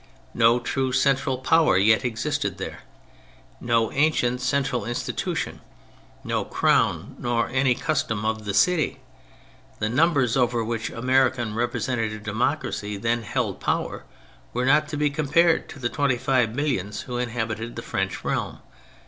No true central power yet existed there ; no ancient central institution, no Crown nor any Custom of the City. The numbers over which American representative democracy then held power were not to be compared to the twenty five millions who inhabited the French realm.